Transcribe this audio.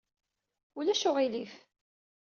Ulac uɣilif!